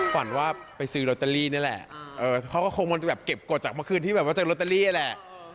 ฝันว่าไปซื้อลอตเตอรี่นี่แหละเขาก็คงมันจะแบบเก็บกฎจากเมื่อคืนที่แบบว่าเจอลอตเตอรี่แหละ